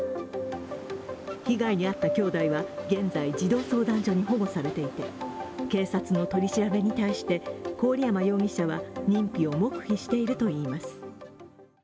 被害に遭った兄弟は現在、児童相談所に保護されていて警察の取り調べに対して、郡山容疑者は認否を黙秘しているといいます。